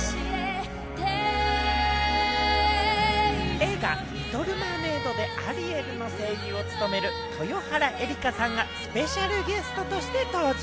映画『リトル・マーメイド』のアリエルの声優を務める豊原江理佳さんがスペシャルゲストとして登場。